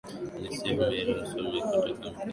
nesifu mary musoma kutoka makete